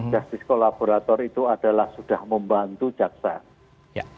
justice kolaborator itu adalah sudah membantu jaksa